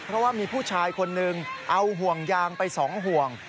เพราะว่ามีผู้ชายคนหนึ่งเอาห่วงยางไป๒ห่วง